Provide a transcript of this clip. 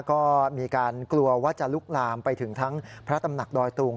ก็มีการกลัวว่าจะลุกลามไปถึงทั้งพระตำหนักดอยตุง